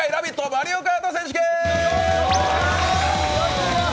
マリオカート選手権！